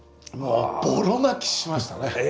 もうボロ泣きしましたね。